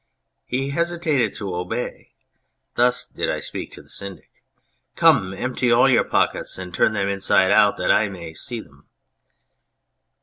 " He hesitates to obey (thus did I speak to the Syndic). Come, empty all your pockets and turn them inside out that I may see them."